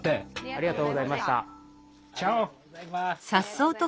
ありがとうございます。